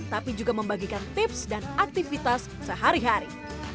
tapi juga membagikan tips dan aktivitas sehari hari